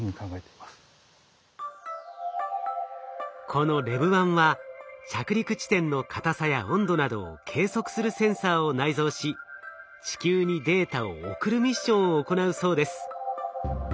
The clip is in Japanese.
このＬＥＶ−１は着陸地点の硬さや温度などを計測するセンサーを内蔵し地球にデータを送るミッションを行うそうです。